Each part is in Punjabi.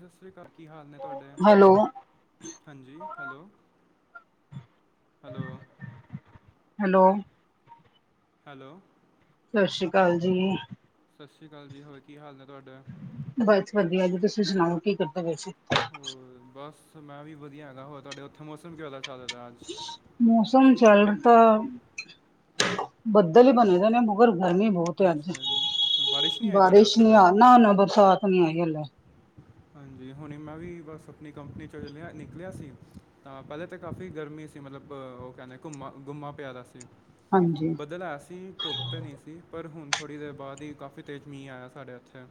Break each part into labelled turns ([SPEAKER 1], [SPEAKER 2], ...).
[SPEAKER 1] ਸਤ ਸ੍ਰੀ ਅਕਾਲ ਕੀ ਹਾਲ ਨੇ ਤੁਹਾਡੇ?
[SPEAKER 2] ਹੈਲੋ
[SPEAKER 1] ਹਾਂਜੀ ਹੈਲੋ ਹੈਲੋ।
[SPEAKER 2] ਹੈਲੋ।
[SPEAKER 1] ਹੈਲੋ।
[SPEAKER 2] ਸਤ ਸ਼੍ਰੀ ਅਕਾਲ ਜੀ।
[SPEAKER 1] ਸਤ ਸ੍ਰੀ ਅਕਾਲ ਜੀ ਹੋਰ ਕੀ ਹਾਲ ਨੇ ਤੁਹਾਡੇ?
[SPEAKER 2] ਬਸ ਵਧੀਆ ਜੀ ਤੁਸੀਂ ਸੁਣਾਓ ਕੀ ਕਰਦੇ ਪਏ ਸੀ?
[SPEAKER 1] ਹੋਰ ਬਸ ਮੈਂ ਵੀ ਵਧੀਆ ਹੈਗਾ ਹੋਰ ਤੁਹਾਡੇ ਉੱਥੇ ਮੌਸਮ ਕਿਉਂਦਾ ਚੱਲ ਰਿਹਾ ਅੱਜ।
[SPEAKER 2] ਮੌਸਮ ਚੱਲ ਤਾਂ ਬੱਦਲ ਹੀ ਬਣੇ ਦੇ ਨੇ ਮਗਰ ਗਰਮੀ ਬਹੁਤ ਤੇ ਅੱਜ
[SPEAKER 1] ਅੱਛਾ ਜੀ ਨਹੀਂ ਆਈ ਤੁਹਾਡੇ
[SPEAKER 2] ਬਾਰਿਸ਼
[SPEAKER 1] ਉੱਥੇ
[SPEAKER 2] ਨੀ
[SPEAKER 1] ਫਿਰ
[SPEAKER 2] ਆ ਨਾ ਹੁਨ ਬਰਸਾਤ ਨੀ ਆਈ ਹਲੇ।
[SPEAKER 1] ਹਾਂਜੀ ਹੁਣੇ ਮੈਂ ਵੀ ਬਸ ਆਪਣੀ ਕੰਪਨੀ ਚੋਂ ਚਲਿਆ ਨਿਕਲਿਆ ਸੀ। ਤਾਂ ਪਹਿਲੇ ਤਾਂ ਕਾਫ਼ੀ ਗਰਮੀ ਸੀ। ਮਤਲਬ ਉਹ ਕਹਿੰਦੇ ਘੁੰਮਾ- ਘੁੰਮਾ ਪਿਆਦਾ ਸੀ।
[SPEAKER 2] ਹਾਂਜੀ।
[SPEAKER 1] ਬਦਲ ਆਇਆ ਸੀ। ਧੁੱਪ ਤਾਂ ਨਹੀਂ ਸੀ। ਪਰ ਹੁਣ ਥੋੜ੍ਹੀ ਦੇਰ ਬਾਅਦ ਹੀ ਕਾਫੀ ਤੇਜ਼ ਮੀਂਹ ਆਇਆ ਸਾਡੇ ਇੱਥੇ। [inaudible]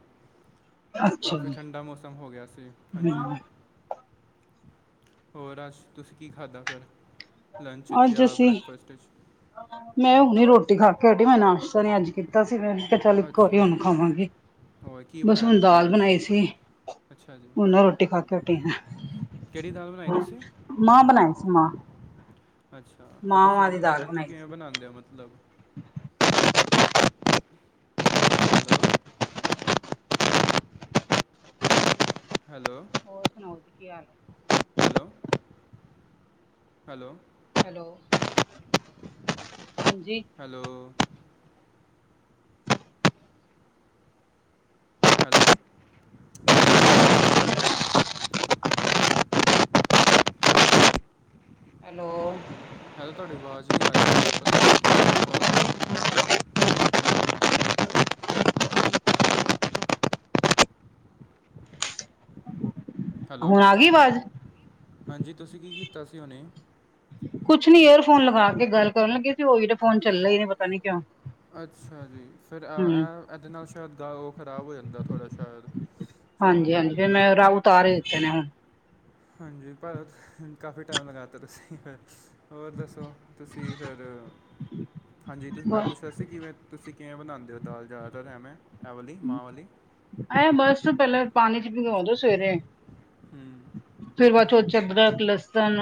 [SPEAKER 2] ਅੱਛਾ।
[SPEAKER 1] ਕਾਫੀ ਠੰਡਾ ਮੌਸਮ ਹੋ ਗਿਆ ਸੀ। ਹਾਂਜੀ।
[SPEAKER 2] ਹਮ
[SPEAKER 1] ਹੋਰ, ਅੱਜ ਤੁਸੀਂ ਕੀ ਖਾਧਾ ਫੇਰ ਲੰਚ '
[SPEAKER 2] ਅੱਜ
[SPEAKER 1] ਜਾਂ
[SPEAKER 2] ਅਸੀਂ
[SPEAKER 1] ਬ੍ਰੈਕਫਾਸਟ '?
[SPEAKER 2] ਮੈਂ ਹੁਣੀ ਰੋਟੀ ਖਾ ਕੇ ਉਟੀ ਮੈਂ ਨਾਸ਼ਤਾ ਨੀ ਅੱਜ ਕੀਤਾ ਸੀ ਚੱਲ ਘਰੀ
[SPEAKER 1] ਅੱਛਾ
[SPEAKER 2] ਹੁਨ
[SPEAKER 1] ਜੀ
[SPEAKER 2] ਖਾਵਾਂਗੀ।
[SPEAKER 1] ਹੋਰ ਕੀ
[SPEAKER 2] ਬਸ
[SPEAKER 1] ਬਣਾਇਆ
[SPEAKER 2] ਹੁਣ
[SPEAKER 1] ਤੁਸੀਂ
[SPEAKER 2] ਦਾਲ
[SPEAKER 1] ਅੱਜ
[SPEAKER 2] ਬਣਾਈ ਸੀ
[SPEAKER 1] ਅੱਛਾ ਜੀ
[SPEAKER 2] ਉਹਨਾਂ ਰੋਟੀ ਖਾ ਕੇ
[SPEAKER 1] ਕਿਹੜੀ ਦਾਲ ਬਣਾਈ
[SPEAKER 2] ਹਟੀਆ।
[SPEAKER 1] ਤੁਸੀਂ
[SPEAKER 2] ਮਾਂ ਬਣਾਏ ਸੀ ਮਾਂ।
[SPEAKER 1] ਅੱਛਾ। ਫਿਰ ਤੁਸੀਂ
[SPEAKER 2] ਮਾਂਹ ਦੀ
[SPEAKER 1] ਇਹਨਾਂ ਨੂੰ
[SPEAKER 2] ਦਾਲ
[SPEAKER 1] ਇਹਨੂੰ
[SPEAKER 2] ਬਣਾਈ
[SPEAKER 1] ਕਿਵੇਂ
[SPEAKER 2] ਸੀ
[SPEAKER 1] ਬਣਾਉਂਦੇ ਹੋ ਮਤਲਬ। ਹੈਲੋ। ਹੈਲੋ।
[SPEAKER 2] ਹੋਰ ਸੁਣਾਓ ਜੀ ਕੀ ਹਾਲ ਹੈ।
[SPEAKER 1] ਹੈਲੋ, ਹੈਲੋ,
[SPEAKER 2] ਹੈਲੋ, ਹਾਂਜੀ।
[SPEAKER 1] ਹੈਲੋ, ਹੈਲੋ,
[SPEAKER 2] ਹੈਲੋ,
[SPEAKER 1] ਹੈਲੋ, ਤੁਹਾਡੀ ਆਵਾਜ਼ ਨਹੀ ਆ ਰਹੀ ਆ ਪਤਾ ਨੀ ਖੜ ਖੜਕ ਹੋ ਰਾ ਹੈਲੋ,
[SPEAKER 2] ਹੁਣ ਆ ਗਈ ਆਵਾਜ਼
[SPEAKER 1] ਹਾਂਜੀ ਤੁਸੀਂ ਕੀ ਕੀਤਾ ਸੀ ਹੁਨੀ।
[SPEAKER 2] ਕੁਛ ਨੀ ਏਅਰਫੋਨ ਲਗਾ ਕੇ ਗੱਲ ਕਰਨ ਲੱਗੇ ਸੀ। ਉਹ ਏਅਰਫੋਨ ਚੱਲੇ ਹੀ ਨੀ ਪਤਾ ਨੀ ਕਿਉਂ।
[SPEAKER 1] ਅੱਛਾ ਜੀ, ਫਿਰ
[SPEAKER 2] ਹਮ
[SPEAKER 1] ਇਹ, ਇਹਦੇ ਨਾਲ ਸ਼ਾਇਦ ੳ ਉਹ ਖਰਾਬ ਹੋ ਜਾਂਦਾ ਥੋੜ੍ਹਾ ਸ਼ਾਇਦ। ਚਲੋ
[SPEAKER 2] ਹਾਂਜੀ, ਹਾਂਜੀ ਫਿਰ ਮੈਂ ਰਾਹੂ ਉਤਾਰ ਹੀ ਦਿੱਤੇ ਨੇ ਹੁਣ।
[SPEAKER 1] ਹਾਂਜੀ, ਪਰ ਕਾਫੀ ਟਾਈਮ ਲਗਾ ਦਿੱਤਾ ਤੁਸੀਂ ਫਿ ਹੋਰ ਦੱਸੋ। ਤੁਸੀਂ ਫਿਰ, ਹਾਂਜੀ, ਤੁਸੀਂ ਮੈਂ ਪੁੱਛ ਰਿਆ ਸੀ। ਤੁਸੀਂ ਕਿਵੇਂ, ਤੁਸੀਂ ਕਿਵੇਂ ਬਣਾਉਂਦੇ ਹੋ। ਦਾਲ ਜ਼ਿਆਦਾਤਰ ਐਵੇਂ ਐ ਵਾਲੀ ਮਾਂਹ ਵਾਲੀ।
[SPEAKER 2] ਇਹ ਬਸ ਪਹਿਲਾਂ ਪਾਣੀ ਚ' ਭਿਗੋ ਦੋ ਸਵੇਰੇ।
[SPEAKER 1] ਹੁੰ
[SPEAKER 2] ਫਿਰ ਬਾਅਦ ਚੋਂ ਅਦਰਕ, ਲੱਸਣ,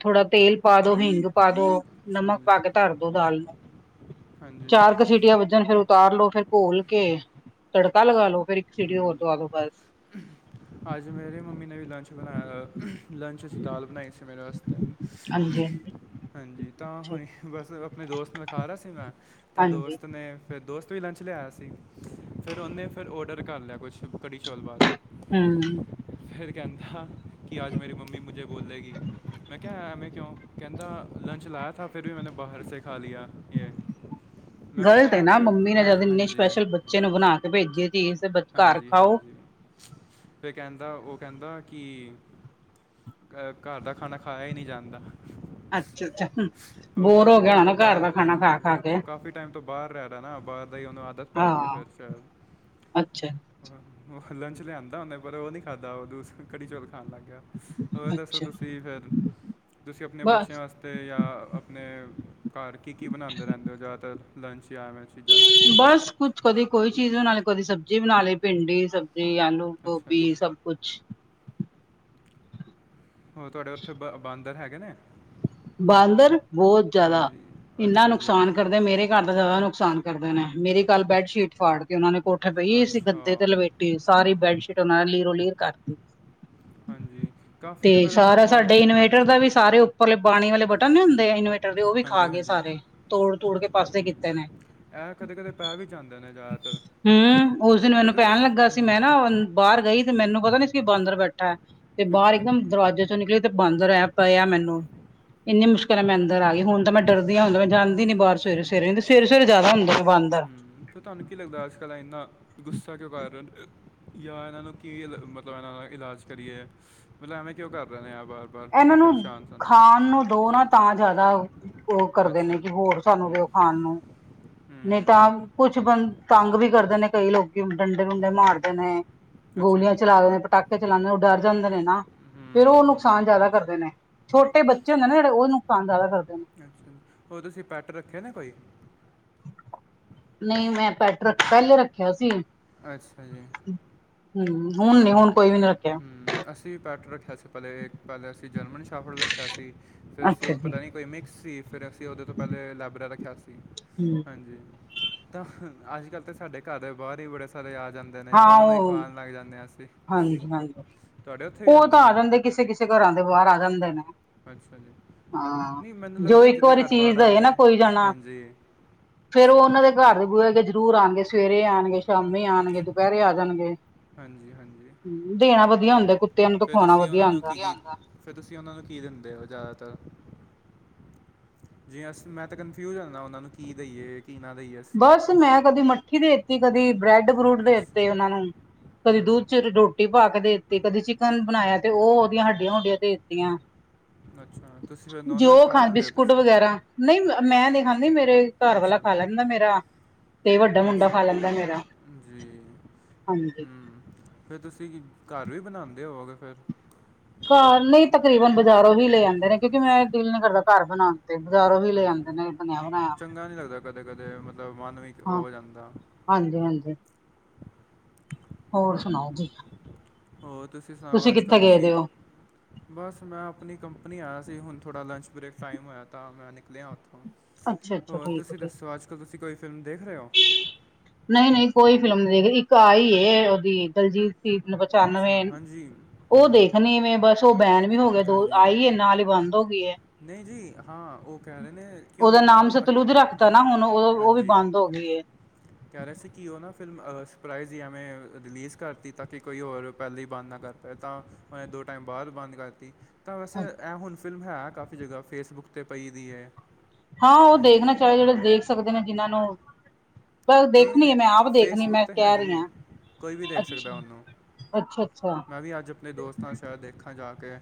[SPEAKER 2] ਥੋੜਾ ਤੇਲ ਪਾ ਦੋ ਹਿੰਗ ਪਾ ਦੋ।
[SPEAKER 1] ਅੱਛਾ
[SPEAKER 2] ਨਮਕ
[SPEAKER 1] ਜੀ
[SPEAKER 2] ਪਾ ਕੇ ਧਰ ਦੋ ਦਾਲ ਨੂੰ।
[SPEAKER 1] ਹਾਂਜੀ
[SPEAKER 2] ਚਾਰ ਕੁ ਸੀਟੀਆਂ ਵੱਜਣ ਫਿਰ ਉਤਾਰ ਲੋੋ। ਫਿਰ ਘੋਲ ਕੇ ਤੜਕਾ ਲਗਾ ਲੋ। ਫਿਰ ਇੱਕ ਸੀਟੀ ਹੋਰ
[SPEAKER 1] ਹੂੰ
[SPEAKER 2] ਦਵਾ ਦੋ ਬਸ
[SPEAKER 1] ਅੱਜ ਮੇਰੀ ਮੰਮੀ ਨੇ ਵੀ ਲੰਚ ਬਣਾਇਆ ਲੰਚ ਚ' ਦਾਲ ਬਣਾਈ ਸੀ ਮੇਰੇ ਵਾਸਤੇ।
[SPEAKER 2] ਹਾਂਜੀ ਹਾਂਜੀ
[SPEAKER 1] ਹਾਂਜੀ, ਤਾਂ
[SPEAKER 2] ਅੱਛਾ
[SPEAKER 1] ਹੁਣੀ ਬਸ ਆਪਣੇ ਦੋਸਤ ਨਾਲ ਖਾ ਰਿਹਾ ਸੀ ਮੈਂ। ਤਾਂ
[SPEAKER 2] ਹਾਂਜੀ
[SPEAKER 1] ਦੋਸਤ ਨੇ ਫਿਰ ਦੋਸਤ ਤੋਂ ਹੀ ਲੰਚ ਲਿਆਇਆ ਸੀ। ਫਿਰ ਉਹਨੇ ਫਿਰ ਓਡਰ ਕਰ ਲਿਆ ਕੁਛ ਕੜੀ-ਚੋਲ ਬਾਹਰੋਂ।
[SPEAKER 2] ਹੁੰ
[SPEAKER 1] ਫੇਰ ਕਹਿੰਦਾ ਕਿ ਅੱਜ ਮੇਰੀ ਮੰਮੀ ਮੁਝੇ ਬੋਲੇਗੀ ਮੈਂ ਕਿਆ ਐਵੇ ਕਿਉ? ਕਿਹਦਾ ਲੰਚ ਲਾਯਾ। ਤਾਂਹ ਫਿਰ ਵੀ ਮੈਂ ਬਾਹਰ ਸੇ ਖਾ ਲਿਆ। ਯੇਹ ਮੈਂ
[SPEAKER 2] ਗ਼ਲਤ
[SPEAKER 1] ਪੁੱਛਿਆ,
[SPEAKER 2] ਹੈ
[SPEAKER 1] ਐਮੇ
[SPEAKER 2] ਨਾ
[SPEAKER 1] ਕਿਉ
[SPEAKER 2] ਮੰਮੀ ਨੇ
[SPEAKER 1] ਐਮ
[SPEAKER 2] ਜਦ ਇੰਨੇ
[SPEAKER 1] ਹਾਂਜੀ।
[SPEAKER 2] ਸਪੈਸ਼ਲ ਬੱਚੇ ਨੂੰ ਬਣਾ ਕੇ ਭੇਜੀਏ ਚੀਜ਼ ਤੇ ਘਰ
[SPEAKER 1] ਹਾਂਜੀ
[SPEAKER 2] ਖਾਓ।
[SPEAKER 1] ਹਾਂਜੀ ਫਿਰ ਕਹਿੰਦਾ। ਉਹ ਕਹਿੰਦਾ ਕਿ ਘਰ ਦਾ ਖਾਣਾ ਖਾਇਆ ਹੀ ਨਹੀਂ ਜਾਂਦਾ।
[SPEAKER 2] ਅੱਛਾ ਅੱਛਾ
[SPEAKER 1] ਉਹ
[SPEAKER 2] ਬੋਰ ਹੋ
[SPEAKER 1] ਕਾਫੀ
[SPEAKER 2] ਗਿਆ
[SPEAKER 1] ਟਾਈਮ
[SPEAKER 2] ਹੋਣਾ ਨਾ
[SPEAKER 1] ਤੋਂ
[SPEAKER 2] ਘਰ
[SPEAKER 1] ਬਾਹਰ
[SPEAKER 2] ਦਾ ਖਾਣਾ
[SPEAKER 1] ਹਾਂਜੀ,
[SPEAKER 2] ਖਾ ਖਾ ਕੇ
[SPEAKER 1] ਉਹ ਕਾਫੀ ਟਾਈਮ ਤੋਂ ਬਾਹਰ ਰਹਿ ਰਾ ਨਾ ਬਾਹਰ ਦਾ ਹੀ ਉਹਨੂੰ ਆਦਤ ਪੈ ਗਈ।
[SPEAKER 2] ਹਾਂ
[SPEAKER 1] ਫਿਰ ਸ਼ਾਇਦ
[SPEAKER 2] ਅੱਛਾ।
[SPEAKER 1] ਉਹ ਲੰਚ ਲਿਆਂਂਦਾ ਉਹਨੇ ਪਰ ਉਹ ਨਹੀ ਖਾਧਾ। ਉ ਦੁਸ ਕੜੀ-ਚੋਲ ਖਾਣ ਲੱਗ ਗਿਆ। ਹੋਰ ਦੱਸੋ
[SPEAKER 2] ਅੱਛਾ
[SPEAKER 1] ਤੁਸੀ ਫੇਰ, ਤੁਸੀ ਆਪਨੇ ਬੱਚੇਆਂ
[SPEAKER 2] ਬਸ
[SPEAKER 1] ਆਸਤੇ ਤੇ ਯਾ ਆਪਣੇ ਘਾੱਰ ਕੀ, ਕੀ ਬਨਾਂਨਦੇ ਰੈਂਦੇ ਓ, ਜੈਦਾਤਰ ਲੰਚ ਯਾਂ ਐਵੇਂ ਚੀਜ਼ਾਂ ਚ
[SPEAKER 2] ਬਾਸ ਕੁਛ ਕਦੀ ਕੋਈ ਚੀਜ਼ ਬਨਾ ਲੀ ਕਦੀ ਸਬਜ਼ੀ ਬਨਾ ਲੀ ਪਿੰਡੀ, ਸਬਜ਼ੀ ਆਲੂ,
[SPEAKER 1] ਅੱਛਾ ਜੀ
[SPEAKER 2] ਗੋਭੀ, ਸਬ ਕੁਛ
[SPEAKER 1] ਹੋ ਤੋਆਡੇ ਉੱਥੇ ਬ ਬਾਂਦਰ ਹੈਗੇ ਨੇ
[SPEAKER 2] ਬਾਂਦਰ ਬੋਤ ਜੈਦਾ,
[SPEAKER 1] ਹਾਂਜੀ
[SPEAKER 2] ਏਨਾ
[SPEAKER 1] ਅੱਛਾ ਜੀ
[SPEAKER 2] ਨੁਕਸਾਨ ਕਰਦੇ ਮੇਰੇ ਘਾੱਰ ਦਾ ਜੈਦਾ ਨੁਕਸਾਨ ਕਰਦੇ ਨੇ, ਮੇਰੀ ਕਾਲ ਬੈੱਡਸ਼ੀਟ ਫਾੜ ਤੀ ਓਨਾਂ ਨੇ ਕੋ ਕੋਠੇ ਪਈ ਸੀ
[SPEAKER 1] ਅੱਛਾ
[SPEAKER 2] ਗਦੇ ਤੇ ਲਪੇਟੀ ਸਾਰੀ ਬੈੱਡਸ਼ੀਟ ਓਨੇ ਲੀਰੋ ਲੀਰ ਕਰ
[SPEAKER 1] ਹਾਂਜੀ ਕਾਫੀ
[SPEAKER 2] ਤੇ
[SPEAKER 1] ਜਗ੍ਹਾ ਨਾ
[SPEAKER 2] ਸਾਰਾ ਸਾਡੇ
[SPEAKER 1] ਬਾਂਦਰ ਕ-
[SPEAKER 2] ਇਨਵੇਟਰ
[SPEAKER 1] ਹਾਂਜੀ
[SPEAKER 2] ਦਾ ਵੀ ਸਾਰੇ ਉੱਪਰਲੇ ਪਾਣੀ ਵਾਲੇ ਬਟਨ ਨੀ ਹੁੰਦੇ ਇਨਵੇਟਰ ਦੇ ਓ ਵੀ
[SPEAKER 1] ਹਾਂਜੀ
[SPEAKER 2] ਖਾਗੇ
[SPEAKER 1] ਹਾਂਜੀ
[SPEAKER 2] ਸਾਰੇ, ਤੋੜ ਤੁੜ ਕੇ ਪਾਸੇ
[SPEAKER 1] ਹੂੰ
[SPEAKER 2] ਕੀਤੇ ਨੇ
[SPEAKER 1] ਇਹ ਕਦੇ ਕਦੇ ਪੈ ਵੀ ਜਾਂਦੇ ਨੇ ਜ਼ਿਆਦਾਤਰ
[SPEAKER 2] ਹੂੰ, ਉਸ ਦਿਨ
[SPEAKER 1] ਫਿਰ
[SPEAKER 2] ਮੈਨੂੰ
[SPEAKER 1] ਤਾਂ
[SPEAKER 2] ਪੈਨ
[SPEAKER 1] ਸ-
[SPEAKER 2] ਲੱਗਾ ਸੀ ਮੈਂ
[SPEAKER 1] ਹੂੰ
[SPEAKER 2] ਨਾ ਹੁਨ ਬਾਰ ਗਈ ਤੇ ਮੈਨੂੰ ਪਤਾ ਨੀ ਸੀ ਬਾਂਦਰ ਬੈਠਾ, ਤੇ ਬਾਰ
[SPEAKER 1] ਅੱਛਾ ਜੀ
[SPEAKER 2] ਏਕਦਮ ਦਰਵਾਜੇ ਚੋ ਨਿਕਲੀ ਤੇ ਬੰਦਰ ਐ ਪਏ ਆ ਮੈਨੂੰ ਏਨੀ ਮੁਸ਼ਕਿਲ ਨਾਲ ਮੈ ਅੰਦਰ ਆਗੀ, ਹੁਨ ਤਾਂ ਮੈਂ ਡਰਦੀ ਆ ਹੁਨ ਤਾਂ ਮੈਂ ਜਾਂਦੀ ਨੀ ਬਾਰ ਸਵੇਰੇ ਸਵੇਰੇ, ਸਵੇਰੇ ਸਵੇਰੇ ਜੈਦਾ ਹੁੰਦੇ ਬਾਂਦਰ
[SPEAKER 1] ਤੋਆਨ ਕੀ ਲੱਗਦਾ ਅੱਜ-ਕੱਲ ਏਨਾ ਗੁੱਸਾ ਕਯੋਂ ਕਾੱਰ ਰੇਓ, ਯਾ ਏਨਾਂ ਨੂੰ ਕੀ ਮਤਲਬ ਏਨਾਂ ਦਾ ਇਲਾਜ ਕਰੀਏ ਮਤਲਬ ਐਵੇਂ ਕਯੋਂ ਕਾੱਰ [unintelligible]
[SPEAKER 2] ਏਨਾਂ ਨੂੰ ਖਾਨ ਨੂੰ ਦੋ ਨਾ ਤਾਂ ਜਾਦਾ ਓ ਕਰਦੇ ਨੇ
[SPEAKER 1] ਅੱਛਾ
[SPEAKER 2] ਕਿ
[SPEAKER 1] ਜੀ
[SPEAKER 2] ਹੋਰ ਸਾਨੂੰ ਦੇਓ
[SPEAKER 1] ਹੂੰ
[SPEAKER 2] ਖਾਨ ਨੂੰ, ਨਈ ਤਾਂ
[SPEAKER 1] ਹੂੰ
[SPEAKER 2] ਕੁਛ ਬੰਨ, ਤਾੰਗ ਵੀ ਕਰਦੇ ਨੇ ਕਈ ਲੋਕੀ ਹੁਨ ਡੰਡੇ, ਡੁੰਡੇ ਮਾਰਦੇ ਨੇ।
[SPEAKER 1] ਅੱਛਾ
[SPEAKER 2] ਗੋਲੀਆਂ
[SPEAKER 1] ਜੀ
[SPEAKER 2] ਚਲਾ ਦੇਂਨੇ, ਪਟਾੱਕੇ ਚਲਾਂਦੇ ਨੇ ਓ ਡੱਰ ਜਾਂਦੇ ਨੇ ਨਾ, ਫੇਰ ਓ ਨੁਕ
[SPEAKER 1] ਹੂੰ
[SPEAKER 2] ਨੁਕਸਾਨ ਜਾਦਾ ਕਰਦੇ ਨੇ, ਛੋਟੇ ਬੱਚੇ ਹੁੰਦੇ ਨਾ ਜੇੜੇ ਓ ਨੁਕਸਾਨ ਜਾਦਾ ਕਰਦੇ ਨੇ।
[SPEAKER 1] ਅੱਛਾ, ਹੋਰ ਤੁਸੀ ਪਾਟ ਰੱਖੇ ਨੇ ਕੋਈ
[SPEAKER 2] ਨਈ ਮੈਂ ਪੈਟ ਰੱਖ ਪੈਲੇ ਰੱਖੇਆ ਸੀ।
[SPEAKER 1] ਅੱਛਾ ਜੀ।
[SPEAKER 2] [unintelligible] ਹੂੰ, ਹੁਨ ਨੀ ਹੁਣ ਕੋਈ ਵੀ ਨੀ ਰੱਖਿਆ
[SPEAKER 1] ਅਸੀ ਵੀ ਪੈਟ ਰੱਖੇਆ ਸੀ ਪੈਲੇ, ਪੈਲੇ ਅਸੀ ਜਰਮਨ ਸ਼ਾਫਡ ਰੱਖੇਆ ਸੀ। ਫੇਰ ਅਸੀ
[SPEAKER 2] ਅੱਛਾ
[SPEAKER 1] ਏਕ
[SPEAKER 2] ਜੀ
[SPEAKER 1] ਪਤਾ ਨੀ ਕੋਈ ਮਿਕਸ ਸੀ। ਫੇਰ ਅਸੀ ਓਦੇ ਤੋ ਪੈਲੇ ਲੈਬਰਾ ਰੱਖੇਆ ਸੀ,
[SPEAKER 2] ਹਮ
[SPEAKER 1] ਹਾਂਜੀ। ਤਾਂ ਅੱਜ-ਕੱਲ ਤੇ ਸਾਡੇ ਘਾੱਰ ਦੇ ਬਾਰ ਈ ਬੜੇ ਸਾਰੇ ਆ ਜਾਂਦੇ ਨੇ,
[SPEAKER 2] ਹਾਂ
[SPEAKER 1] ਓਨਾਂ ਨੂੰ ਈ
[SPEAKER 2] ਉਹ
[SPEAKER 1] ਖਵਾਨ ਲੱਗ ਜਾਂਨੇ ਆਂ ਅਸੀ
[SPEAKER 2] ਹਾਂਜੀ, ਹਾਂਜੀ। ਓ ਤਾ ਆ
[SPEAKER 1] ਨੇ
[SPEAKER 2] ਜਾਂਦੇ ਕਿਸੇ, ਕਿਸੇ ਘਰਾਂ ਦੇ ਬਾਰ ਆ ਜਾਂਦੇ ਨੇ
[SPEAKER 1] ਅੱਛਾ ਜੀ
[SPEAKER 2] ਹਾਂ,
[SPEAKER 1] ਨਹੀਂ ਮੈਨੂੰ
[SPEAKER 2] ਜੋ
[SPEAKER 1] ਲੱਗਦਾ
[SPEAKER 2] ਇੱਕ
[SPEAKER 1] ਜਿਹਦੇ
[SPEAKER 2] ਵਾਰੀ
[SPEAKER 1] ਘਰ
[SPEAKER 2] ਚੀਜ਼
[SPEAKER 1] ਬਾਹਰ
[SPEAKER 2] ਦਏ
[SPEAKER 1] ਆਉਂਦੇ
[SPEAKER 2] ਨਾ
[SPEAKER 1] ਨੇ
[SPEAKER 2] ਕੋਈ ਜਣਾ
[SPEAKER 1] ਹਾਂਜੀ
[SPEAKER 2] ਫੇਰ ਓਨਾਂ ਦੇ ਘਾੱਰ ਦੇ ਬੂਏ ਅੱਗੇ ਜ਼ਰੂਰ ਆਨਗੇ, ਸਵੇਰੇ ਆਨਗੇ, ਸ਼ਾਮੀ ਆਨਗੇ, ਦੁਪੈਰੇ ਆ ਜਾਨਗੇ।
[SPEAKER 1] ਹਾਂਜੀ, ਹਾਂਜੀ।
[SPEAKER 2] ਦੇਣਾ ਵਦੀਆ ਹੁੰਦਾ ਕੁੱਤਿਆਂ ਨੂੰ ਤੇ
[SPEAKER 1] ਫਿਰ
[SPEAKER 2] ਖਵਾਣਾਂ
[SPEAKER 1] ਤੁਸੀਂ
[SPEAKER 2] ਵਦੀਆ
[SPEAKER 1] ਉਹਨਾਂ ਨੂੰ
[SPEAKER 2] ਹੁੰਦਾ।
[SPEAKER 1] ਕੀ ਕੀ ਆਂਦਾ ਫਿਰ ਤੁਸੀ ਓਨਾਂ ਨੂੰ ਕੀ ਦਿੰਦੇ ਓ ਜੈਦਾਤਰ ਜੀ ਅਸ ਮੈਂ ਤਾਂ ਕਨਫਯੁਜ ਹੋ ਜਾਂਨਾ, ਓਨਾ ਨੂੰ ਕੀ ਦਈਏ, ਕੀ ਨਾ ਦੇਈਏ।
[SPEAKER 2] ਬੱਸ ਮੈਂ ਕਦੀ ਮੱਠੀ ਦੇ ਦੇਤੀ, ਕਦੀ ਬ੍ਰੈਡ ਬਰੂਡ ਦੇ
[SPEAKER 1] ਅੱਛਾ
[SPEAKER 2] ਦਿੱਤੇ ਓਨਾਂ ਨੂੰ। ਕੱਦੀ
[SPEAKER 1] ਹੂੰ
[SPEAKER 2] ਦੁੱਧ ਚ ਰੋਟੀ ਪਾ ਕੇ ਦੇਤੀ, ਕੱਦੀ ਚਿਕੱਨ ਬਨਾਏਆ ਤੇ ਓ ਓਦੀਆਂ ਹੱਡੀਆਂ, ਹੁੱਡੀਆਂ ਦੇਤੀਆਂ।
[SPEAKER 1] ਅੱਛਾ, ਤੁਸੀ ਫੇਰ ਨੋਨਵੈਜ ਖਾ ਲੈਂਦੇ ਓ ਤੁਸੀ
[SPEAKER 2] ਨਈ ਮੈਂ ਨੀ ਖਾਂਦੀ ਮੇਰੇ ਘਾੱਰ ਵਾਲਾ
[SPEAKER 1] ਅੱਛਾ
[SPEAKER 2] ਖਾ ਲੈਂਦਾ ਮੇਰਾ ਤੇ ਵੱਡਾ ਮੁੰਡਾ
[SPEAKER 1] ਅੱਛਾ,
[SPEAKER 2] ਖਾ ਲੈਂਦਾ ਮੇਰਾ
[SPEAKER 1] ਜੀ,
[SPEAKER 2] ਹਾਂਜੀ
[SPEAKER 1] ਹੂੰ। ਫੇਰ ਤੁਸੀ, ਘਾੱਰ ਵੀ ਬਨਾਂਦੇ ਹੋਵੋਗੇ ਫੇਰ
[SPEAKER 2] ਘਾੱਰ ਨੀ ਤਕਰੀਬਨ ਬਾਜ਼ਾਰੋਂ ਹੀ ਲੇ ਆਂਦੇ ਨੇ, ਕਯੋਂਕਿ ਮੈਂ
[SPEAKER 1] ਅੱਛਾ
[SPEAKER 2] ਦਿਲ ਨੀ ਕਰਦਾ ਘਾੱਰ ਬਨਾਨ [unintelligible]
[SPEAKER 1] ਹਾਂਜੀ, ਚੰਗਾ ਨੀ ਲੱਗਦਾ ਕੱਦੇ, ਕੱਦੇ ਮੱਤਲਬ ਮਨ ਵੀ ਓ
[SPEAKER 2] ਹਾਂ
[SPEAKER 1] ਹੋ ਜਾਂਦਾ
[SPEAKER 2] ਹਾਂਜੀ, ਹਾਂਜੀ। ਹੋਰ ਸੁਣਾਓ
[SPEAKER 1] ਹੂੰ
[SPEAKER 2] ਜੀ
[SPEAKER 1] ਹੋਰ ਤੁਸੀਂ ਸੁਣਾਓ ਅੱਜ ਕੱਲ੍ਹ
[SPEAKER 2] ਕਿੱਥੇ ਗਏ
[SPEAKER 1] ਤੁਸੀਂ
[SPEAKER 2] ਦੇ ਹੋ
[SPEAKER 1] ਬਸ ਮੈਂ ਆਪਣੀ ਕੰਪਨੀ ਆਇਆ ਸੀ ਹੁਣ ਥੋੜਾ ਲੰਚ ਬ੍ਰੇਕ ਟਾਈਮ ਹੋਇਆ ਤਾ ਮੈਂ ਨਿਕਲਿਆ ਉੱਥੋਂ
[SPEAKER 2] ਅੱਛਾ ਅੱਛਾ
[SPEAKER 1] ਹੋਰ
[SPEAKER 2] ਠੀਕ ਹੈ
[SPEAKER 1] ਤੁਸੀਂ
[SPEAKER 2] ਠੀਕ
[SPEAKER 1] ਦੱਸੋ ਅੱਜ ਕੱਲ੍ਹ ਤੁਸੀਂ ਕੋਈ ਫਿਲਮ ਦੇਖ ਰਹੇ ਹੋ
[SPEAKER 2] ਨਹੀਂ ਨਹੀਂ ਕੋਈ ਫਿਲਮ ਨਹੀਂ ਦੇਖੀ ਇੱਕ ਆਹੀ ਉਹਦੀ ਦਲਜੀਤ [unintelligible]
[SPEAKER 1] ਅੱਛਾ
[SPEAKER 2] ਪਚਾਨਵੇਂ
[SPEAKER 1] ਹਾਂਜੀ
[SPEAKER 2] ਓ
[SPEAKER 1] ਹੂੰ
[SPEAKER 2] ਦੇਖਨੀ ਵੀਂ ਬਸ ਓ ਬੈਨ ਵੀ ਹੋ ਗੇਆ ਦੋ
[SPEAKER 1] ਹਾਂਜੀ
[SPEAKER 2] ਆਈ ਏ ਨਾਲ ਈ ਬੰਦ ਹੋ ਗਈ
[SPEAKER 1] ਨਹੀਂ ਜੀ ਹਾਂ ਉਹ ਕਹਿ ਰਹੇ ਨੇ ਕਿ ਉਹ
[SPEAKER 2] ਉਹਦਾ
[SPEAKER 1] ਨਾ
[SPEAKER 2] ਨਾਮ
[SPEAKER 1] ਹ
[SPEAKER 2] ਸਤਲੁਜ ਰੱਖਤਾ ਨਾ ਹੁਣ ਉਹ ਉਹ ਵੀ
[SPEAKER 1] ਹਾਂਜੀ
[SPEAKER 2] ਬੰਦ ਹੋ ਗਈ ਏ
[SPEAKER 1] ਕਹਿ ਰਹੇ ਸੀ ਕਿ ਉਹ ਨਾ ਫਿਲਮ ਸਰਪ੍ਰਾਈਜ਼ ਐਵੇਂ ਰਿਲੀਜ਼ ਕਰਤੀ ਤਾਂ ਕਿ ਕੋਈ ਹੋਰ ਪਹਿਲਾਂ ਹੀ ਬੰਦ ਨਾ ਕਰ ਪਏ ਤਾਂ ਉਹੇ ਥੋੜੇ ਟਾਇਮ ਬਾਅਦ ਬੰਦ ਕਰਤੀ ਤਾਂ ਵੈਸੇ ਐਂ ਹੁਣ ਫਿਲਮ ਹੈ ਕਾਫੀ ਜਗ੍ਹਾ ਫੇਸਬੁੱਕ 'ਤੇ ਪਈ ਦੀ ਹੈ
[SPEAKER 2] ਹਾਂ ਉਹ
[SPEAKER 1] ਹਾਂਜੀ
[SPEAKER 2] ਦੇਖਣਾ ਚਾਹੀਦਾ ਜਿਹੜੇ
[SPEAKER 1] ਹਾਂ
[SPEAKER 2] ਦੇਖ ਸਕਦੇ ਨੇ ਜਿਹਨਾਂ ਨੂੰ ਬੱਸ
[SPEAKER 1] ਨਹੀਂ
[SPEAKER 2] ਦੇਖਣੀ
[SPEAKER 1] ਨਹੀਂ
[SPEAKER 2] ਹੈ ਮੈਂ ਆਪ ਦੇਖਣੀ
[SPEAKER 1] ਫੇਸਬੁੱਕ
[SPEAKER 2] ਮੈਂ
[SPEAKER 1] ਤੇ
[SPEAKER 2] ਕਹਿ ਰਹੀ
[SPEAKER 1] ਹੈਗੀ ਹੈ
[SPEAKER 2] ਹਾਂ
[SPEAKER 1] ਕੋਈ ਵੀ
[SPEAKER 2] ਅੱਛਾ
[SPEAKER 1] ਦੇਖ ਸਕਦਾ ਉਹਨੂੰ
[SPEAKER 2] ਅੱਛਾ ਅੱਛਾ
[SPEAKER 1] ਮੈਂ ਵੀ ਅੱਜ ਆਪਣੇ ਦੋਸਤਾਂ ਸ਼ਾਇਦ ਦੇਖਾਂ ਜਾ ਕੇ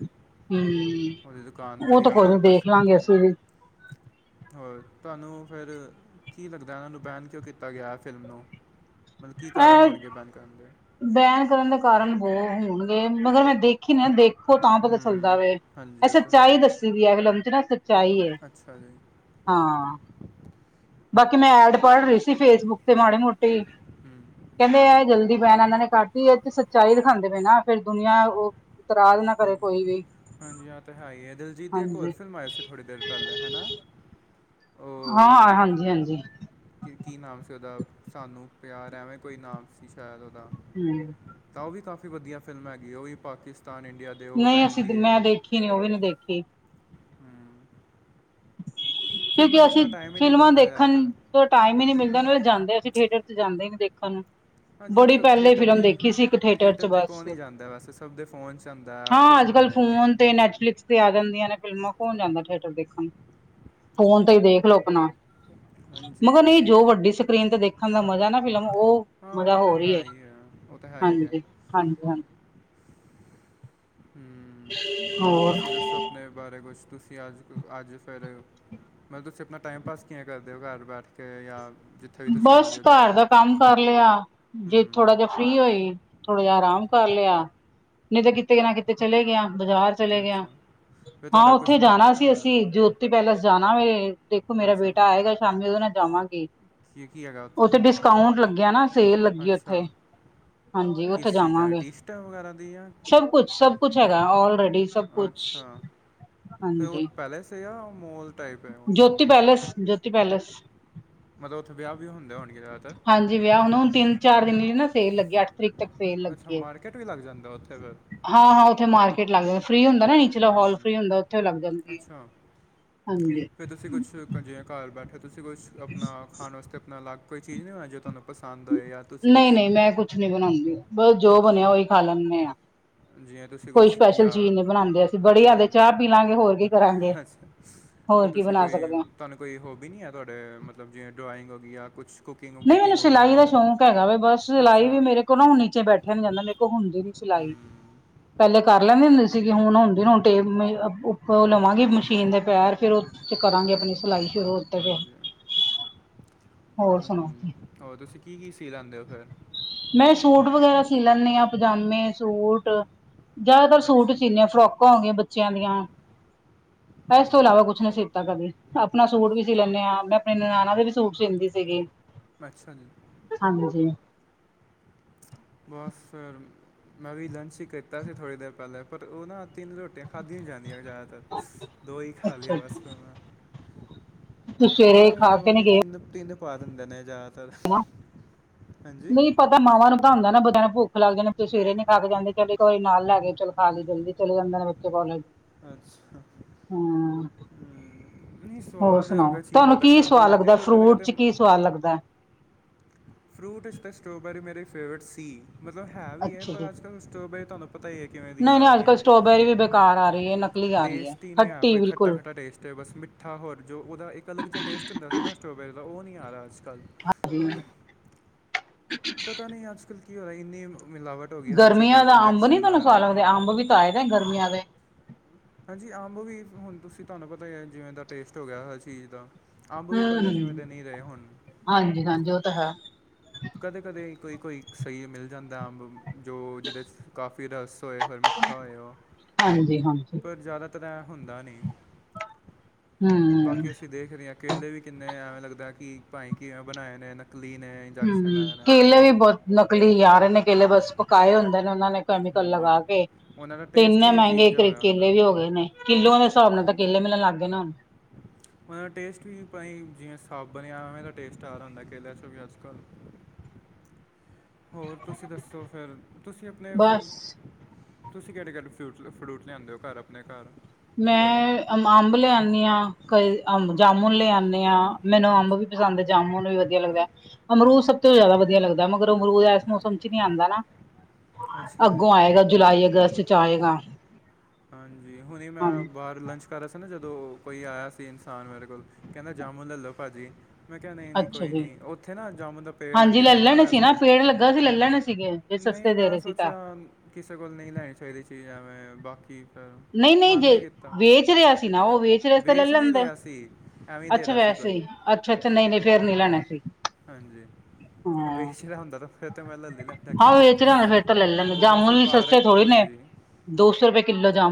[SPEAKER 2] ਹੂੰ
[SPEAKER 1] ਉਹਦੀ ਦੁਕਾਨ 'ਤੇ
[SPEAKER 2] ਉਹ ਤਾਂ
[SPEAKER 1] ਜਾਂ
[SPEAKER 2] ਕੋਈ
[SPEAKER 1] ਕੱਲ੍ਹ
[SPEAKER 2] ਨੀ ਦੇਖ
[SPEAKER 1] ਪਰਸੋਂ
[SPEAKER 2] ਲਾਂਗੇ
[SPEAKER 1] ਦੇਖਾਂਗੇ
[SPEAKER 2] ਅਸੀਂ ਵੀ
[SPEAKER 1] ਹੋਰ ਤੁਹਾਨੂੰ ਫਿਰ ਕੀ ਲੱਗਦਾ ਇਹਨਾਂ ਨੂੰ ਬੈਨ ਕਿਉਂ ਕੀਤਾ ਗਿਆ ਹੈ ਫਿਲਮ ਨੂੰ ਮੱਤਲਬ ਕੀ ਕਾਰਨ
[SPEAKER 2] ਐ
[SPEAKER 1] ਹੋਣਗੇ ਬੈਨ ਕਰਨ ਦੇ
[SPEAKER 2] ਬੈਨ ਕਰਨ ਦੇ ਕਾਰਨ ਬਹੁੱਤ ਹੋਣਗੇ ਮਗੱਰ ਮੈਂ ਦੇਖੀ ਨਾ ਦੇਖ ਦੇਖੋਂ ਤਾਂ ਪਤਾ ਚੱਲਦਾ
[SPEAKER 1] ਹੂੰ
[SPEAKER 2] ਵੇ ਇਹ
[SPEAKER 1] ਹਾਂਜੀ ਉਹ ਤਾਂ ਹੈ ਹੀ
[SPEAKER 2] ਸੱਚਾਈ
[SPEAKER 1] ਆ।
[SPEAKER 2] ਦੱਸੀ ਇਹਦੇ ਵਿੱਚ ਚ ਨਾ ਸੱਚਾਈ ਹੈ
[SPEAKER 1] ਅੱਛਾ ਜੀ
[SPEAKER 2] ਹਾਂ। ਬਾਕੀ ਮੈਂ ਐਡ ਪੜ੍ਹ ਰਹੀ ਸੀ ਫੇਸਬੁੱਕ ਤੇ ਮਾੜੇ ਮੋਟੇ
[SPEAKER 1] ਹੂੰ
[SPEAKER 2] ਕਹਿੰਦੇ ਆ ਜਲਦੀ ਬੈਨ ਇਹਨਾਂ ਨੇ ਕੱਟ ਇਹ ਚ ਸੱਚਾਈ ਦਿਖਾਉਂਦੇ ਪਏ ਨਾ ਫੇਿਰ ਦੁਨੀਆਂ ਉਹ ਇਤਰਾਜ਼ ਨਾ ਕਰੇ ਕੋਈ ਵੀ
[SPEAKER 1] ਹਾਂਜੀ-ਹਾਂਜੀ ਹਹ ਤਾਂ ਹੈ ਹੀ ਹੈ ਦਿਲਜੀਤ ਦੀ ਇੱਕ ਹੋਰ
[SPEAKER 2] ਹਾਂਜੀ
[SPEAKER 1] ਫਿਲਮ ਆਈ ਸੀ। ਥੋੜ੍ਹੀ ਦੇਰ ਪਹਿਲੇ ਹੈ ਨਾ ਉਹ
[SPEAKER 2] ਹਾਂ ਹਾਂਜੀ-ਹਾਂਜੀ
[SPEAKER 1] ਕੀ-ਕੀ ਨਾਮ ਸੀ ਉਹਦਾ ਸਾਨੂੰ ਪਿਆਰ ਐਵੇਂ ਕੋਈ ਨਾਮ ਸੀ ਸ਼ਾਇਦ
[SPEAKER 2] ਹੂੰ
[SPEAKER 1] ਤਾਂ ਉਹ ਵੀ ਕਾਫ਼ੀ ਵਧੀਆ ਫਿਲਮ ਹੈਗੀ ਉਹ ਵੀ ਪਾਕਿਸਤਾਨ ਇੰ
[SPEAKER 2] ਨਹੀਂ ਅਸੀਂ ਮੈਂ ਦੇਖੀ ਨੀ ਉਹ ਵੀ ਨੀ ਦੇਖੀ
[SPEAKER 1] ਹਮ।
[SPEAKER 2] ਕਿਉਂਕਿ ਅਸੀਂ
[SPEAKER 1] ਟਾਈਮ ਹੀ ਨਹੀਂ
[SPEAKER 2] ਫਿਲਮਾਂ
[SPEAKER 1] ਮਿਲਦਾ
[SPEAKER 2] ਦੇਖਣ
[SPEAKER 1] ਜ਼ਿਆਦਾਤਰ
[SPEAKER 2] ਟਾਈਮ ਹੀ ਨੀ ਮਿਲਦਾ ਨਾਂ ਜਾਂਦੇ ਅਸੀਂ ਥੀਏਟਰ ਚ ਜਾਂਦੇ ਦੇਖਣ ਨੂੰ
[SPEAKER 1] ਹਾਂਜੀ ਅੱਜ
[SPEAKER 2] ਬੜੀ
[SPEAKER 1] ਕੱਲ੍ਹ
[SPEAKER 2] ਪਹਿਲੇ
[SPEAKER 1] ਥੀਏਟਰ
[SPEAKER 2] ਫਿਲਮ
[SPEAKER 1] ਦੀ
[SPEAKER 2] ਦੇਖੀ ਸੀ ਇੱਕ ਥੀਟਰ 'ਚ
[SPEAKER 1] ਥੀਏਟਰ 'ਤੇ
[SPEAKER 2] ਬਸ
[SPEAKER 1] ਕੌਣ ਹੀ ਜਾਂਦਾ ਵੈਸੇ ਸਭ ਦੇ ਫੋਨ 'ਚ ਹੁੰਦਾ ਐਪ
[SPEAKER 2] ਹਾਂ
[SPEAKER 1] 'ਚ
[SPEAKER 2] ਅੱਜ ਕੱਲ੍ਹ
[SPEAKER 1] ਹੁੰਦੇ ਆ
[SPEAKER 2] ਫੋਨ ਤੇ
[SPEAKER 1] ਹੂੰ
[SPEAKER 2] ਨੈਟਫਲਿਕਸ ਤੇ ਆ ਜਾਂਦੀਆਂ ਨੇ ਫਿਲਮਾਂ ਹੋਣ ਜਾਂਦਾ ਥੀਏਟਰ ਦੇਖਣ ਫੋਨ ਤੇ ਹੀ ਦੇਖਲਓ ਆਪਣਾ
[SPEAKER 1] ਹਾਂਜੀ
[SPEAKER 2] ਮਗਰ ਨਹੀਂ ਜੋ ਵੱਡੀ ਸਕਰੀਨ ਤੇ ਦੇਖਣ ਦਾ ਮਜ਼ਾ ਨਾ ਫਿਲਮ ਉਹ
[SPEAKER 1] ਹਾਂ ਉਹ
[SPEAKER 2] ਮਜ਼ਾ
[SPEAKER 1] ਤਾਂ
[SPEAKER 2] ਹੋ ਰਹੀ ਹੈ।
[SPEAKER 1] ਹੀ ਆ ਉਹ ਤਾਂ ਹੈ ਹੀ ਹੈ
[SPEAKER 2] ਹਾਂਜੀ ਹਾਂਜੀ-ਹਾਂਜੀ।
[SPEAKER 1] ਹਮ ਹੋਰ ਤੁਸੀਂ ਦੱਸੋ ਆਪਣੇ ਬਾਰੇ ਕੁਛ ਤੁਸੀਂ ਅੱਜ-ਅੱਜ ਫਿਰ ਮਤਲਬ ਤੁਸੀਂ ਆਪਣਾ ਟਾਈਮ ਪਾਸ ਕਿਂ ਕਰਦੇ ਹੋ ਘਰ ਬੈਠ ਕੇ ਜਾ
[SPEAKER 2] ਬਸ ਘਰ ਦਾ ਕੰਮ ਕਰ ਲਿਆ। ਜੇ ਥੋੜਾ
[SPEAKER 1] ਹੂੰ
[SPEAKER 2] ਜਿ ਫ੍ਰਰੀ ਹੋਈ ਥੋੜਾ ਜਹਾ ਆਰਾਮ ਕਰ ਲਿਆ ਨਹੀਂ ਤਾਂ ਕਿਤੇ ਨਾ ਕਿਤੇ ਤੇ ਚਲੇ ਗਿਆ ਬਾਜ਼ਾਰ ਚਲੇ ਗਿਆ।
[SPEAKER 1] ਅੱਛਾ ਫਿਰ
[SPEAKER 2] ਹਾਂ
[SPEAKER 1] ਤੁਹਾਡਾ ਕੁਛ
[SPEAKER 2] ਉੱਥੇ
[SPEAKER 1] ਮਨ
[SPEAKER 2] ਜਾਣਾ ਸੀ ਅਸੀਂ
[SPEAKER 1] ਹਾਂਜੀ
[SPEAKER 2] ਜੋਤੀ ਪੈਲਸ ਜਾਣਾ ਵ ਦੇਖੋ ਮੇਰਾ ਬੇਟਾ
[SPEAKER 1] ਅੱਛਾ
[SPEAKER 2] ਬੇਟਾ ਆਏਗਾ ਸ਼ਾਮੀ ਉਹਦੇ ਨਾਲ ਜਾਵਾਂਗੇ।
[SPEAKER 1] ਕੀ ਕੀ ਹੈਗਾ ਉੱਥੇ
[SPEAKER 2] ਅਊਂਟ ਲੱਗਿਆ ਨਾ ਸੇਲ ਲੱਗੀ
[SPEAKER 1] ਅੱਛਾ
[SPEAKER 2] ਉੱਥੇ ਹਾਂਜੀ ਉੱਥੇ
[SPEAKER 1] ਕਿਸ ਚੀਜ਼ਾਂ ਹੈ
[SPEAKER 2] ਜਾਵਾਂਗੇ
[SPEAKER 1] ਟੀ ਸਟਾਂ ਵਗੈਰਾ ਦੀ ਆ
[SPEAKER 2] ਸਭ ਕੁਛ ਸਭ ਕੁਛ ਹੈਗਾ ਲਰੇਡੀ ਸਭ ਕੁਛ
[SPEAKER 1] ਅੱਛਾ ਫਿਰ ਉਹ
[SPEAKER 2] ਹਾਂਜੀ
[SPEAKER 1] ਪੈਲੇਸ ਹੈ ਜਾਂ ਮੋਲ ਟਾਈਪ ਹੈ ਉਹ
[SPEAKER 2] ਜੋਤੀ ਪੈਲੇਸ ਜੋੋਤੀ ਪੈਲੇਸ
[SPEAKER 1] ਮਤਲਬ ਉੱਥੇ ਵਿਆਹ ਵੀ ਹੁੰਦੇ ਹੋਣਗੇ ਜ਼ਿਆਦਾ ਤਰ
[SPEAKER 2] ਹਾਂਜੀ ਵਿਆਹੁਣ ਹੁਣ ਤਿੰਨਾ ਚਾਰ ਦਿਨ ਦੀ ਨਾ ਸੇਲ ਲੱਗੀ ਅੱਠ ਤਰੀਕ ਤੱਕ ਸੇਲ
[SPEAKER 1] ਅੱਛਾ ਮਾਰਕੀਟ ਵੀ ਲੱਗ ਜਾਂਦਾ ਉੱਥੇ ਫਿਰ
[SPEAKER 2] ਹਾਂ-ਹਾਂ ਉੱਥੇ ਮਾਰਕੀਟ ਲੱਗ ਜਾਂਦਾ ਫਰੀ ਹੁੰਦਾ ਨਾ ਨੀਚਲਾ ਹੋਲ
[SPEAKER 1] ਹੂੰ
[SPEAKER 2] ਫਰੀ ਹੁੰਦਾ ਉੱਥੇ ਲੱਗ ਜਾਂਣਗੇ।
[SPEAKER 1] ਅੱਛਾ
[SPEAKER 2] ਹਾਂਜੀ। [unintelligible]
[SPEAKER 1] ਫਿਰ ਤੁਸੀਂ ਕੁਛ ਜਿਵੇ ਘਰ ਬੈਠੇ ਤੁਸੀਂ ਕੁਛ ਆਪਣਾ ਖਾਣ ਵਾਸਤੇ ਆਪਣਾ ਅਲੱਗ ਕੋਈ ਚੀਜ਼ ਨਹੀਂ ਹੋ ਹੈ ਜੇ ਤੁਹਾਨੂੰ ਪਸੰਦ ਹੋਏ ਜਾਂ ਤੁਸੀਂ ਕੁਝ
[SPEAKER 2] ਨਹੀਂ-ਨਹੀਂ ਮੈਂ ਕੁਛ ਨਹੀਂ ਬਣਾਉਂਦੀ ਬਸ ਜੋ ਬਣਿਆ ਉਹੀ ਖਾ ਲੈਂਦੇ ਆ।
[SPEAKER 1] ਜਿਵੇਂ ਤੁਸੀਂ ਕੁਝ
[SPEAKER 2] ਕੋਈ ਸਪੈਸ਼ਲ
[SPEAKER 1] ਜਾਂ
[SPEAKER 2] ਚੀਜ਼ ਨਹੀਂੀ ਬਣਾਉਂਦੇ ਅਸੀਂ ਬੜੀ ਜ਼ਿਆਦੇ
[SPEAKER 1] ਹਮ,
[SPEAKER 2] ਚਾਹ ਪੀ ਲਾਂਗੇ ਹੋਰ ਕੀ ਕਰਾਂਗੇ
[SPEAKER 1] ਅੱਛਾ ਫਿਰ
[SPEAKER 2] ਹੋਰ ਕੀ
[SPEAKER 1] ਤੁਸੀਂ
[SPEAKER 2] ਬਣਾ
[SPEAKER 1] ਕੋਈ
[SPEAKER 2] ਸਕਦੇ ਹਾਂ
[SPEAKER 1] ਤੁਹਾਨੂੰ ਕੋਈ ਹੋਬੀ ਨਹੀਂ ਹੈ ਤੁਹਾਡੇ ਮਤਲਬ ਜਿਵੇ ਡਰਾਇੰਗ ਹੋ ਗਈ ਆ ਕੁਛ ਕੁਕਿੰਗ-
[SPEAKER 2] ਨਹੀਂ ਮੈਨੂੰ
[SPEAKER 1] ਬੇਕਿੰਗ
[SPEAKER 2] ਸਿਲਾਈ
[SPEAKER 1] ਵਗੈਰਾ ਹੋ
[SPEAKER 2] ਦਾ
[SPEAKER 1] ਗਈ
[SPEAKER 2] ਸ਼ੌਂਕ ਹੈਗਾ ਵ ਬਸ ਸਿਲਾਈ ਵੀ
[SPEAKER 1] ਅੱਛਾ
[SPEAKER 2] ਮੇਰੇ ਕੋਲ ਨਾ ਹੁ ਨੀਚੇ ਬੈਠਿਆ ਨੀ ਜਾਂਦਾ ਮੇਰੇ ਕੋਲ ਹੁੰਦੀ ਨੀ ਸਿਲਾਈ।
[SPEAKER 1] ਹ [unintelligible] [inaudible]
[SPEAKER 2] ਪਹਿਲੇ ਕਰ ਲੈਂਦੇ ਹੁੰਦੇ ਸੀਗੀ ਹੁਣ ਹੁਣਦੀ ਹੁਣ ਟੇਪ ਉੱਪ ਲਵਾਂਗੇ ਮਸ਼ੀਨ ਦੇ ਪੈਰ ਫੇਰ ਚ ਕਰਾਂਗੇ ਆਪਣੀ ਸਿਲਾਈ ਸ਼ੁਰੂ ਉੱਤੇ ਫਿਰ
[SPEAKER 1] ਹਾਂਜੀ
[SPEAKER 2] ਹੋਰ ਸੁਣਾਓ
[SPEAKER 1] ਹੋਰ ਤੁਸੀਂ ਕੀ ਕੀ ਸੀ ਲੈਂਦੇ ਹੋ ਫਿਰ
[SPEAKER 2] ਮੈਂ ਸੂਟ ਵਗੈਰਾ ਸੀ ਲੈਂਦੀ ਹਾਂ ਪਜਾਮੇ ਸੂਟ ਜ਼ਿਆਦਾਤਰ ਸੂਟ
[SPEAKER 1] ਅੱਛਾ
[SPEAKER 2] ਸੀਨ ਫਰੌਕਾਂ ਹੋ ਗਈਆਂ ਬੱਚਿਆਂ ਦੀਆਂ ਇਸ ਤੋਂ
[SPEAKER 1] ਹਾਂਜੀ
[SPEAKER 2] ਇਲਾਵਾ ਕੁਛ ਨ ਸੀਤਾ ਕਦੀ ਆਪਣਾ ਸੂਟ ਵੀ ਸੀ ਲੈਂਦੇ ਹਾਂ। ਮੈਂ ਆਪਣੀ ਨਣਾਨਾ ਦੇ ਵੀ ਸੂਟ ਸੀਂਦੀ ਸੀਗੀ।
[SPEAKER 1] ਮੱ ਸ ਜੀ [unintelligible]
[SPEAKER 2] ਹਾਂਜੀ
[SPEAKER 1] ਬਸ ਫਿਰ ਮੈਂ ਵੀ ਲੰਚ ਹੀ ਕੀਤਾ ਸੀ ਥੋੜ੍ਹੀ ਦੇਰ ਪਹਿਲਾਂ ਪਰ ਉਹ ਨਾ ਤਿੰਨ ਰੋਟੀਆਂ ਖਾਧੀਆਂ ਨਹੀਂ ਜਾਂਦੀਆਂ ਜ਼ਿਆਦਾਤਰ ਦੋ ਹੀ ਖਾ ਲਈਏ
[SPEAKER 2] ਅੱਛਾ
[SPEAKER 1] ਬਸ ਪਾਂ
[SPEAKER 2] ਤੁਸੀਂ ਸਵੇਰੇ
[SPEAKER 1] ਪਤਾ ਨੀ
[SPEAKER 2] ਖਾ
[SPEAKER 1] ਮੇਨ
[SPEAKER 2] ਕੇ
[SPEAKER 1] ਮੰਮੀ
[SPEAKER 2] ਗਏ
[SPEAKER 1] ਤਿੰਨ ਤਿੰਨ ਫ ਦਿੰਦੇ ਨੇ ਜ਼ਿਆਦਾਤਰ
[SPEAKER 2] ਨਾ
[SPEAKER 1] ਹਾਂਜੀ
[SPEAKER 2] ਨਹੀਂ ਪਤਾ ਮਾਵਾਂ ਨੂੰ ਭਤਾਉਂਦਾ ਨਾ ਬਦ ਨੂੰ ਭੁੱਖ ਲੱਗਦੇ ਨੇ ਸਵੇਰੇ ਨੀ ਖਾ ਕੇ ਜਾਂਦੇ ਚੱਲ ਇੱਕ ਵਾਰੀ ਨਾਲ ਲੈ ਕੇ ਚਲ ਖਾ ਲੈ ਜਲਦੀ ਚਲੇ ਜਾਂਦਾ ਨੇ [unintelligible]
[SPEAKER 1] ਅੱਛਾ
[SPEAKER 2] ਹਮ
[SPEAKER 1] ਨਹੀਂ
[SPEAKER 2] ਹੋਰ
[SPEAKER 1] ਸਵਾਦ
[SPEAKER 2] ਸੁਣਾਓ
[SPEAKER 1] ਅਗਰ ਚੀਜ਼ ਹੋ
[SPEAKER 2] ਤੁਹਾਨੂੰ
[SPEAKER 1] ਤਾਂ
[SPEAKER 2] ਕੀ
[SPEAKER 1] ਖਾਧੀ ਹੀ
[SPEAKER 2] ਸਵਾਦ
[SPEAKER 1] ਜਾਂਦੀ
[SPEAKER 2] ਲੱਗਦਾ
[SPEAKER 1] ਪਰ ਕਦੇ
[SPEAKER 2] ਫਰੂਟ
[SPEAKER 1] ਕਦੇ
[SPEAKER 2] ਚ ਕੀ ਸਵਾਦ ਲੱਗਦਾ
[SPEAKER 1] ਫਰੂਟਸ ਅਤੇ ਸਟ੍ਰੋਬੈਰੀ ਮੇਰੀ ਫੇਵਰੇਟ ਸੀ ਮਤਲਬ ਹੈ ਵੀ ਹੈ
[SPEAKER 2] ਅੱਛਾ
[SPEAKER 1] ਪਰ
[SPEAKER 2] ਜੀ
[SPEAKER 1] ਅੱਜ ਕੱਲ੍ਹ ਸਟ੍ਰੋਬੈਰੀ ਤੁਹਾਨੂੰ ਪਤਾ ਹੀ ਹੈ ਕਿਵੇਂ ਦੀਆਂ
[SPEAKER 2] ਨਹੀਂ ਨਹੀਂ
[SPEAKER 1] ਆ
[SPEAKER 2] ਅੱਜ ਕੱਲ੍ਹ
[SPEAKER 1] ਰਹੀਆਂ
[SPEAKER 2] ਸਟੋਾਬੈਰੀ ਵੀ ਬੇਕਾਰ ਆ ਰਹੀ ਹੈ ਨਕਲੀ ਆ ਰਹੀ
[SPEAKER 1] ਟੇਸਟ ਹੀ ਨਹੀਂ ਹੈ ਕੋ
[SPEAKER 2] ਖੱਟੀ
[SPEAKER 1] ਖਟਾ
[SPEAKER 2] ਬਿਲਕੁਲ
[SPEAKER 1] ਖੱਟਾ ਟੇਸਟ ਹੈ ਬਸਿੱਟੀ ਮੱਠਾ ਹੋਰ ਜੋ ਉਹਦਾ ਇੱਕ ਅਲੱਗ ਜਿਹਾ ਟੇਸਟ ਹੁੰਦਾ ਸੀ ਨਾ ਸਟੋਬੈਰੀ ਦਾ ਉਹ ਨਹੀਂ ਆ ਰਿਹਾ ਅੱਜ ਕੱਲ੍ਹ ਪਤਾ ਨਹੀਂ ਅੱਜ ਕੱਲ੍ਹ ਕੀ ਹੋ ਰਿਹਾ ਇੰਨੀ ਮਿਲਾਵਟ ਹੋ ਗਈ ਹਰ
[SPEAKER 2] ਗਰਮੀਆਂ
[SPEAKER 1] ਚੀਜ਼ਾਂ
[SPEAKER 2] ਦਾ ਅੰਬ ਨੀ
[SPEAKER 1] ਇੰਜੈਕਸ਼ਨ
[SPEAKER 2] ਤੁਹਾਨੂੰ
[SPEAKER 1] ਲਾ ਰਹੇ
[SPEAKER 2] ਸਵਾਦ
[SPEAKER 1] ਨੇ
[SPEAKER 2] ਲੱਗਦੇ ਅੰਬ ਵੀ ਆਏ ਨੇ ਗਰਮੀਆਂ ਦੇ
[SPEAKER 1] ਹਾਂਜੀ ਅੰਬ ਵੀ ਹੁਣ ਤੁਸੀਂ ਤੁਹਾਨੂੰ ਪਤਾ ਹੈ ਜਿਵੇਂ ਦਾ ਟੇਸਟ ਹੋ ਗਿਆ ਹੈ ਚੀਜ਼ ਦਾ ਅੰਬ ਵੀ ਪਹਿਲੇ ਜਿਵੇਂ
[SPEAKER 2] ਹਮ
[SPEAKER 1] ਦੇ ਨਹੀਂ ਰਹੇ ਹੋੁਣ
[SPEAKER 2] ਹਾਂਜੀ ਹਾਂਜੀ ਉਹ ਤਾਂ ਹੈ
[SPEAKER 1] ਕਦੇ ਕਦੇ ਕੋਈ ਕੋਈ ਸਹੀ ਮਿਲ ਜਾਂਦਾ ਅੰਬ ਜੋ ਜਿਹਦੇ 'ਚ ਕਾਫੀ ਰਸ ਹੋਏ ਹੋਰ ਮਿੱਠਾ ਹੋਏ ਉਹ
[SPEAKER 2] ਹਾਂਜੀ ਹਾਂਜੀ
[SPEAKER 1] ਪਰ ਜ਼ਿਆਦਾਤਰ ਇਹ ਹੁੰਦਾ ਨਹੀਂ
[SPEAKER 2] ਹਮ
[SPEAKER 1] ਬਾਕੀ ਅਸੀਂ ਦੇਖ ਰਹੇ ਹਾਂ ਕੇਲੇ ਵੀ ਕਿੰਨੇ ਐਵੇਂ ਲੱਗਦਾ ਕਿ ਭਾਈ ਕਿਵੇਂ ਬਣਾਏ ਨੇ ਨਕਲੀ ਨੇ ਇੰਜੈਕਸ਼ਨ
[SPEAKER 2] ਹੂੰ,
[SPEAKER 1] ਲਾ ਨੇ
[SPEAKER 2] ਕੇਲੇ ਵੀ ਬਹੁਤ ਨਕਲੀ ਯਾਰ ਨੇ ਕੇਲੇ ਬਸ ਪਕਾਏ ਹੁੰਦੇ ਨੇ ਉਹਨਾਂ ਨੇ ਕੈਮੀਕਲ
[SPEAKER 1] ਹਾਂਜੀ
[SPEAKER 2] ਲਗਾ ਕੇ
[SPEAKER 1] ਉਹਨਾਂ ਦਾ
[SPEAKER 2] ਤ
[SPEAKER 1] ਟੇਸਟ
[SPEAKER 2] ਇੰਨੇ
[SPEAKER 1] ਵੀ
[SPEAKER 2] ਮਹਿੰਗੇ
[SPEAKER 1] ਅਜੀਬ
[SPEAKER 2] ਇੱਕ
[SPEAKER 1] ਜਿਹਾ ਹੋਇਆ
[SPEAKER 2] ਕੇਲੇ
[SPEAKER 1] ਹੁੰਦਾ
[SPEAKER 2] ਵੀ ਹੋ ਗਏ ਨੇ ਕਿੱਲੋ ਦੇ ਹਿਸਾਬ ਨਾਲ ਤਾਂ ਕੇਲੇ ਮਿਲਣ ਲੱਗ ਗਏ ਨਾ ਹਣ
[SPEAKER 1] ਉਹਨਾਂ ਦਾ ਟੇਸਟ ਵੀ ਜਿਵੇਂ ਸਾਬਣ ਆ ਉਵੇਂ ਦਾ ਟੇਸਟ ਆ ਰਿਹਾ ਹੁੰਦਾ ਕੇਲ 'ਚ ਵੀ ਅੱਜ ਕੱਲ੍ਹ ਹੋਰ ਤੁਸੀਂ ਦੱਸੋ ਫਿਰ ਤੁਸੀਂ ਆਪਣੇ ਫਿਰ
[SPEAKER 2] ਬਸ
[SPEAKER 1] ਤੁਸੀਂ ਕਿਹੜੇ ਕਿਹੜੇ ਫਰੂਟ ਫਰੂਟ ਲਿਆਂਦੇ ਹੋ ਘਰ ਆਪਣੇ ਘਰ ਫਲ
[SPEAKER 2] ਮੈਂ ਅੰਬ ਲਿਆਉਦੀ ਹਾਂ ਕਈ ਅ ਜਾਮੁਨ ਲਿਆਉਂਦੀ ਹਾਂ ਮੈਨੂੰ ਅੰਬ
[SPEAKER 1] ਅੱਛਾ
[SPEAKER 2] ਵੀ ਪਸੰਦ ਜਾਮੁਨ ਵੀ ਵਧੀਆ ਲੱਗਦਾ, ਅਮਰੂਦ
[SPEAKER 1] ਹੂੰ
[SPEAKER 2] ਸਭ ਤੋਂ ਜ਼ਿਆਦਾ ਵਧੀਆ ਲੱਗਦਾ ਮਗਰ ਅਮਰੂਦ ਇਸ ਮੌਸਮ ਚ ਨਹੀਂੀ ਆਉਂਦਾ ਨਾ।
[SPEAKER 1] ਅੱਛਾ ਜੀ
[SPEAKER 2] ਅੱਗੋਂ ਆਏਗਾ ਜੁਲਾਈ, ਅਗਸਤ ਚ ਆਏਗਾ।
[SPEAKER 1] ਹਾਂਜੀ, ਹੁਣੇ
[SPEAKER 2] ਹਾਂ
[SPEAKER 1] ਮੈਂ ਬਾਹਰ ਲੰਚ ਘਰੌ ਸੀ ਨਾ ਜਦੋਂ ਕੋਈ ਆਇਆ ਸੀ ਇਨਸਾਨ ਮੇਰੇ ਕੋਲ ਕਹਿੰਦਾ ਜਾਮੂਨ ਲੈਲੋ ਭਾਜੀ। ਮੈਂ ਕਿਹਾ ਨਹੀਂ-ਨਹੀਂ
[SPEAKER 2] ਅੱਛਾ
[SPEAKER 1] ਕੋਈ
[SPEAKER 2] ਜੀ।
[SPEAKER 1] ਨੀ ਉੱਥੇ ਨਾ ਜਾਮੂਨ ਦਾ ਪੇੜ
[SPEAKER 2] ਹਾਂਜੀ
[SPEAKER 1] ਲੱਗੇ
[SPEAKER 2] ਲੈ
[SPEAKER 1] ਹੋ
[SPEAKER 2] ਲੈਣੇ
[SPEAKER 1] ਨਾ ਇਸ
[SPEAKER 2] ਸੀ
[SPEAKER 1] ਸਾਈਡ।
[SPEAKER 2] ਪੇੜ ਲੱਗਾ ਸੀ ਲੈ ਲੈਣੇ ਸੀਗੇ ਜੇ
[SPEAKER 1] ਨਹੀਂ,
[SPEAKER 2] ਸਸਤੇ ਦੇ
[SPEAKER 1] ਮੈਂ
[SPEAKER 2] ਰਹੇ ਸੀ ਤਾਂ।
[SPEAKER 1] ਸੋਚਿਆ ਕਿਸੇ ਕੋਲ ਨਹੀਂ ਲੈਣੀ ਚਾਹੀਦੀ ਚੀਜ਼ ਐ ਮਂ ਬਾਕੀ। ਫਿਰ
[SPEAKER 2] ਨਹੀਂ-ਨਹੀਂ
[SPEAKER 1] ਮਨ
[SPEAKER 2] ਜੇ
[SPEAKER 1] ਨਹੀਂ ਕੀਤਾ
[SPEAKER 2] ਵੇਚ ਰਿਹਾ ਸੀ ਨਾ ਉਹ ਵੇਚ ਰਿਹਾ ਤੇ ਲੈ
[SPEAKER 1] ਨਹੀਂ
[SPEAKER 2] ਲੈਂਦੇ
[SPEAKER 1] ਰਿਹਾ ਸੀ ਐਵੇਂ ਹੀ ਦੇ
[SPEAKER 2] ਅੱਛਾ
[SPEAKER 1] ਰਿਹਾ ਸੀ
[SPEAKER 2] ਵੈਸੇ
[SPEAKER 1] ਕੋਈ
[SPEAKER 2] ਹੀ। ਅੱਛਾ-ਅੱਛਾ, ਨਹੀਂ-ਨਹੀਂ ਫੇਰ ਨੀ ਲੈਣਾ ਸੀ।
[SPEAKER 1] ਹਾਂਜੀ।
[SPEAKER 2] ਹਾਂ
[SPEAKER 1] ਵੇਚ ਰਿਹਾ ਹੁੰਦਾ ਤਾਂ ਫਿਰ ਤੇ ਮੈਂ ਲੀ ਲੈਂਦਾ
[SPEAKER 2] ਹਾਂ
[SPEAKER 1] ਕੈਬ
[SPEAKER 2] ਵੇਚ ਰਿਹਾ ਫੇਰ ਤਾਂ ਲੈ ਲੈਂਦੇ
[SPEAKER 1] ਉਹ ਬਸ
[SPEAKER 2] ਜਾਮੁਨ
[SPEAKER 1] ਉਹ
[SPEAKER 2] ਵੀ ਸਸਤੇ
[SPEAKER 1] ਪਾਰਕ
[SPEAKER 2] ਥੋੜੀ ਨੇ
[SPEAKER 1] ਹਾਂਜੀ।
[SPEAKER 2] ਦੋ ਸੌ ਰੁਪਏ ਕਿੱਲੋ ਜਾਮੁਨ